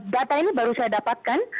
data ini baru saya dapatkan